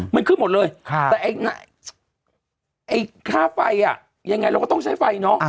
มันขึ้นหมดเลยค่ะแต่ไอ้ไอ้ค่าไฟอ่ะยังไงเราก็ต้องใช้ไฟเนอะอ่า